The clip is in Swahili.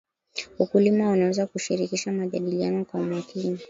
wakulima wanaweza kushirikisha majadiliano kwa umakini